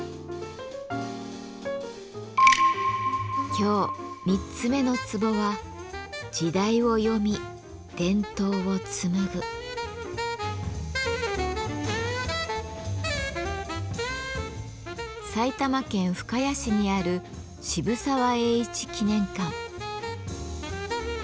今日三つ目のツボは埼玉県深谷市にある渋沢栄一記念館。